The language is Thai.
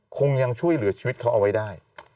คงยังช่วยเหลือชีวิตเขาเอาไว้ได้